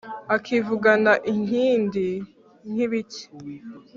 akivugana inkindi nkibiki,